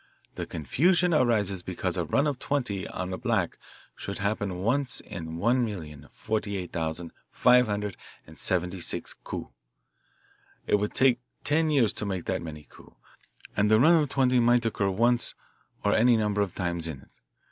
The confusion arises because a run of twenty on the black should happen once in one million, forty eight thousand, five hundred and seventy six coups. It would take ten years to make that many coups, and the run of twenty might occur once or any number of times in it.